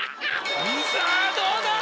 さぁどうだ